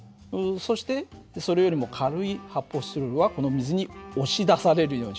そしてそれよりも軽い発泡スチロールはこの水に押し出されるようにして前に行ったんだ。